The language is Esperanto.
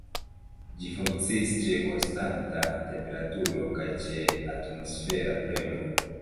Ĝi funkciis ĉe konstanta temperaturo, kaj ĉe atmosfera premo.